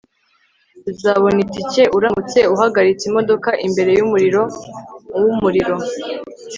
uzabona itike uramutse uhagaritse imodoka imbere yumuriro wumuriro